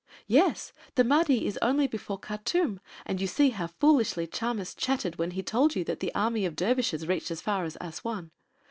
"Yes. The Mahdi is only before Khartûm and you see how foolishly Chamis chattered when he told you that the army of dervishes reached as far as Assuan.